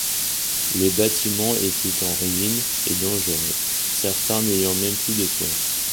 Les bâtiments étaient en ruine et dangereux, certains n'ayant même plus de toit.